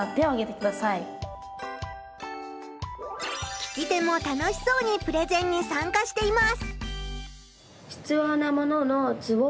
聞き手も楽しそうにプレゼンにさんかしています。